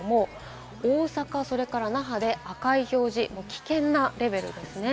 大阪、それから那覇で赤い表示、危険なレベルです。